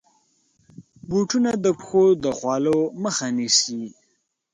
بوټونه د پښو د خولو مخه نیسي.